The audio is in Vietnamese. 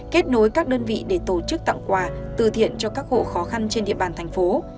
kết nối các đơn vị để tổ chức tặng quà từ thiện cho các hộ khó khăn trên địa bàn thành phố